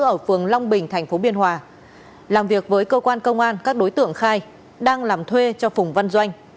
ở phường long bình tp biên hòa làm việc với cơ quan công an các đối tượng khai đang làm thuê cho phùng văn doanh